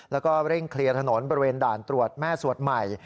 แล้วก็เร่งเคลียร์ถนนบริเวณด่านตรวจแม่สวดใหม่